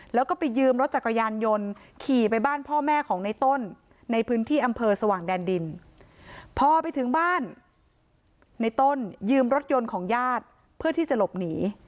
แล้วก็ไปยืมรถจักรยานยนต์ขี่ไปบ้านพ่อแม่ของในต้นในพื้นที่อำเภอสว่างแดนดินพอไปถึงบ้านในต้นยืมรถยนต์ของญาติเพื่อที่จะหลบหนี